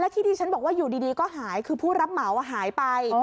ที่ที่ฉันบอกว่าอยู่ดีก็หายคือผู้รับเหมาหายไป